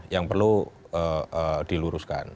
yang perlu diluruskan